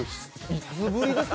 いつぶりですか？